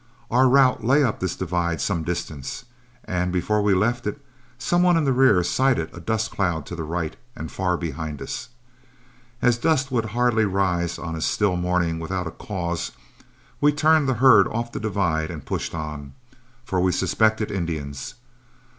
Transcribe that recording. Our route lay up this divide some distance, and before we left it, some one in the rear sighted a dust cloud to the right and far behind us. As dust would hardly rise on a still morning without a cause, we turned the herd off the divide and pushed on, for we suspected Indians.